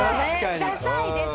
ダサいです